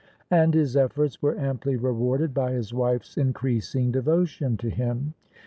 And his efforts were amply rewarded by his wife's increasing devotion to him.